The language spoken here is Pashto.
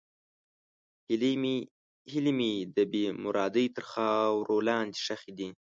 هیلې مې د بېمرادۍ تر خاورو لاندې ښخې دي.